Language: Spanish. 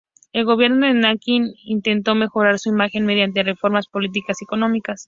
El gobierno de Nankín intentó mejorar su imagen mediante reformas políticas y económicas.